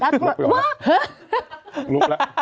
ปุ๊บรบอยู่แล้ว